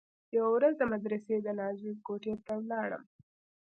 يوه ورځ د مدرسې د ناظم کوټې ته ولاړم.